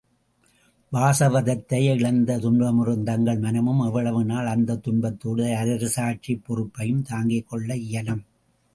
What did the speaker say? வாசவதத்தையை இழந்து துன்பமுறும் தங்கள் மனமும் எவ்வளவு நாள் அந்தத் துன்பத்தோடு அரசாட்சிப் பொறுப்பையும் தாங்கிக் கொள்ள இயலும்?